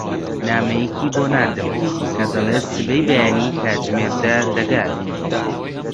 نامەیەکی بۆ ناردم کە دەڵێت سبەی بەیانی کاتژمێر دە دەگات.